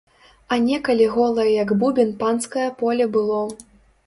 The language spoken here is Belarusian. А некалі голае як бубен панскае поле было.